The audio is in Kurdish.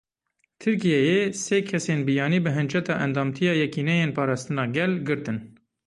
Tirkiyeyê sê kêsên biyanî bi hinceta endamtiya Yekîneyên Parastina Gel girtin.